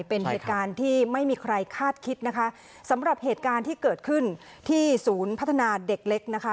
เป็นเหตุการณ์ที่ไม่มีใครคาดคิดนะคะสำหรับเหตุการณ์ที่เกิดขึ้นที่ศูนย์พัฒนาเด็กเล็กนะคะ